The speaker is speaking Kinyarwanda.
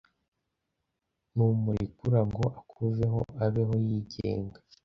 numurekura ngo akuveho, abeho yigenga,